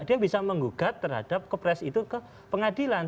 dia bisa menggugat terhadap kepres itu ke pengadilan